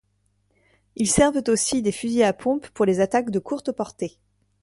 Ils servent aussi des fusils à pompe pour les attaques de courtes portées.